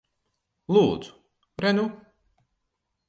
Lūdzu. Re nu.